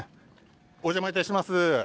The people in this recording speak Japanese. お邪魔いたします。